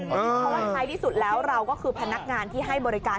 เพราะว่าท้ายที่สุดแล้วเราก็คือพนักงานที่ให้บริการ